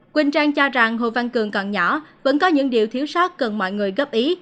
quỳnh trang cho rằng hồ văn cường còn nhỏ vẫn có những điều thiếu sát cần mọi người góp ý